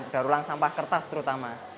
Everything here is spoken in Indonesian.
daur ulang sampah kertas terutama